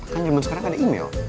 kan zaman sekarang ada email